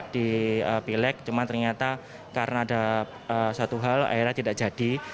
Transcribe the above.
di pileg cuma ternyata karena ada satu hal akhirnya tidak jadi